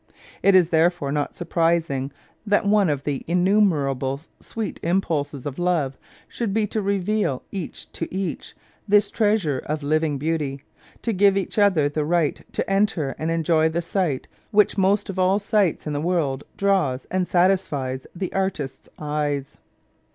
It is therefore not surprising that one of the in numerable sweet impulses of love should be to reveal, each to each, this treasure of living beauty. To give each other the right to enter and enjoy the sight which most of all sights in the world draws and satisfies the artist's eyes.